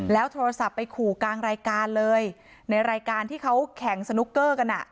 โทรศัพท์ไปขู่กลางรายการเลยในรายการที่เขาแข่งสนุกเกอร์กันอ่ะ